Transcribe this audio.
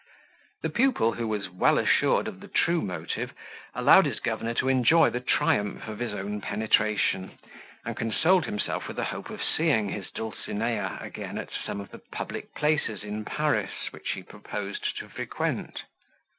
The pupil, who was well assured of the true motive, allowed his governor to enjoy the triumph of his own penetration, and consoled himself with the hope of seeing his dulcinea again at some of the public places in Paris, which he proposed to frequent.